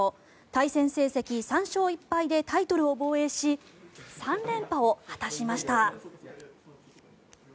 対戦成績３勝１敗でタイトルを防衛し３連覇を果たしました。